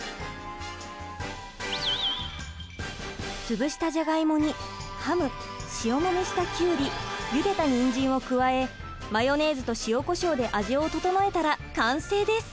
潰したジャガイモにハム塩もみしたきゅうりゆでたにんじんを加えマヨネーズと塩こしょうで味を整えたら完成です。